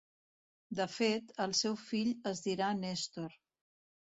De fet, el seu fill es dirà Nèstor.